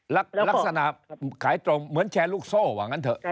ลักษณะขายตรงเหมือนแชร์ลูกโซ่ว่างั้นเถอะ